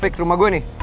perangkat rumah gue nih